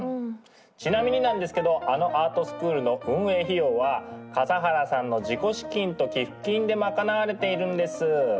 ちなみになんですけどあのアートスクールの運営費用は笠原さんの自己資金と寄付金で賄われているんです。